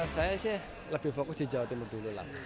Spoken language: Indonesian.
saya sih lebih fokus di jawa timur dulu lah